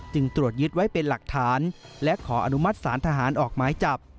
ตรวจยึดไว้เป็นหลักฐานและขออนุมัติศาลทหารออกหมายจับ